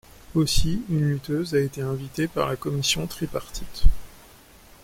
Aussi, une lutteuse a été invité par la commission tripartite.